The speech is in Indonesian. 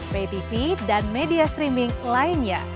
pay tv dan media streaming lainnya